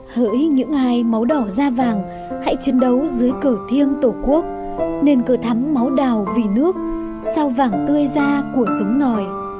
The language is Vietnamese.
hỡi những ai máu đỏ da vàng hãy chiến đấu dưới cờ thiêng tổ quốc nên cờ thắm máu đào vì nước sao vàng tươi da của sống nòi